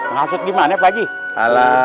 ngehasut gimana pak haji